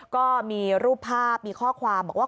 ก็มีรูปภาพมีข้อความบอกว่า